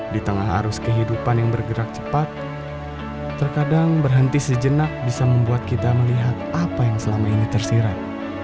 di tengah arus kehidupan yang bergerak cepat terkadang berhenti sejenak bisa membuat kita melihat apa yang selama ini tersirat